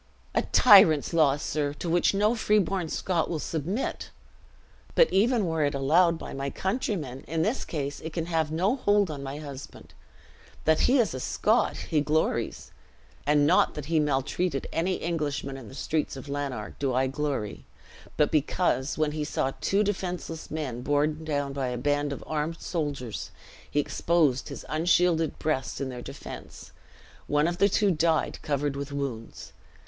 "A tyrant's law, sir, to which no freeborn Scot will submit! But even were it allowed by my countrymen, in this case it can have no hold on my husband. That he is a Scot, he glories: and not that he maltreated any Englishman in the streets of Lanark, do I glory; but because, when he saw two defenseless men borne down by a band of armed soldiers, he exposed his unshielded breast in their defense; one of the two died, covered with wounds.